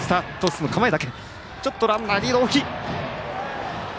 ちょっとランナーリードが大きい。